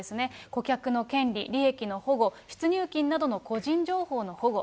顧客の権利、利益の保護、出入金などの個人情報の保護。